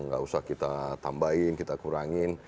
nggak usah kita tambahin kita kurangin